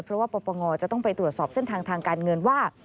เพราะว่าปปงจะต้องไปตรวจสอบเส้นทางทางการเงินว่า